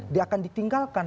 dia akan ditinggalkan